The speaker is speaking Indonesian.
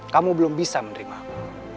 kamu belum bisa menerima aku